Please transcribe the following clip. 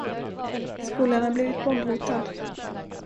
Skolan har blivit bombhotad.